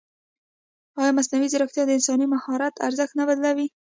ایا مصنوعي ځیرکتیا د انساني مهارت ارزښت نه بدلوي؟